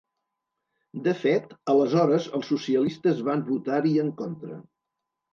De fet, aleshores els socialistes van votar-hi en contra.